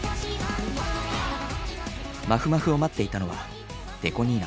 まふまふを待っていたのはＤＥＣＯ２７。